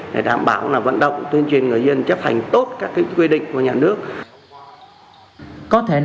để đảm bảo là vận động tuyên truyền người dân chấp hành tốt các quy định của nhà nước